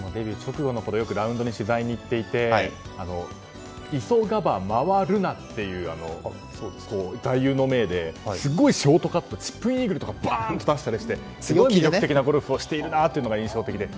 デビュー直後にラウンドによく取材に行っていて急がば回るなっていう座右の銘ですごいショートカットチップインイーグルなどバーンと出したりして魅力的なゴルフをしているのが印象的で。